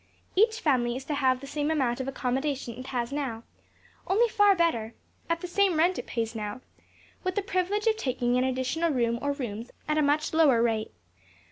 Each family is to have the same amount of accommodation it has now, only far better, at the same rent it pays now, with the privilege of taking an additional room or rooms at a much lower rate.